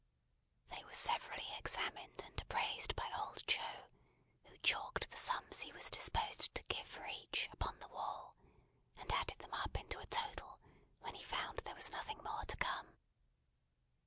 They were severally examined and appraised by old Joe, who chalked the sums he was disposed to give for each, upon the wall, and added them up into a total when he found there was nothing more to come.